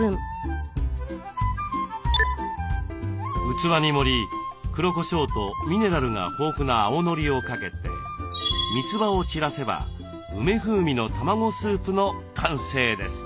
器に盛り黒こしょうとミネラルが豊富な青のりをかけてみつばを散らせば「梅風味の卵スープ」の完成です。